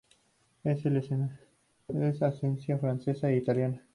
Él es de ascendencia francesa e italiana.